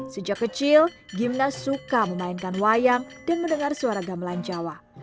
sejak kecil gimna suka memainkan wayang dan mendengar suara gamelan jawa